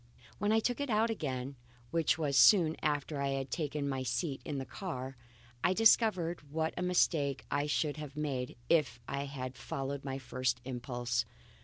When I took it out again which was soon after I had taken my seat in the car I discovered what a mistake I should have made if I had followed my first impulse.